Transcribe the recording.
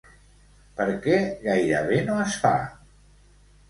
Per què gairebé no es fa?